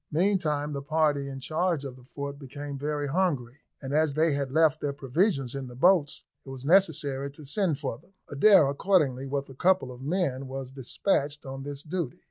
Meantime the party in charge of the fort became very hungry, and as they had left their provisions in the boats, it was necessary to send for them. Adair accordingly, with a couple of men, was despatched on this duty.